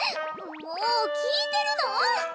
もう聞いてるの！？